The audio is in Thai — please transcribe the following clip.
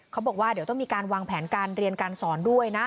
เขาบอกว่าเดี๋ยวต้องมีการวางแผนการเรียนการสอนด้วยนะ